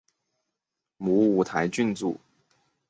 母五台郡君。